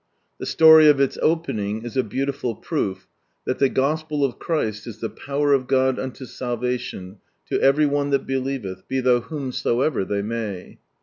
The story of its opening is a beautiful proof thai the Gospel of Christ is the Power of God unto Salvation to every one that believeili, be they whomsoever they may.